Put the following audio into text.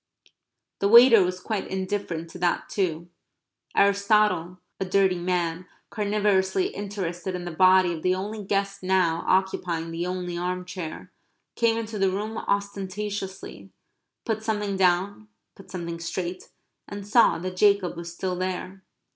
The waiter was quite indifferent to that too. Aristotle, a dirty man, carnivorously interested in the body of the only guest now occupying the only arm chair, came into the room ostentatiously, put something down, put something straight, and saw that Jacob was still there.